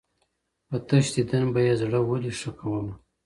په تش دیدن به یې زړه ولي ښه کومه